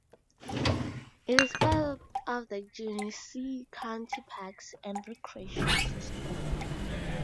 It is part of the Genesee County Parks and Recreation system.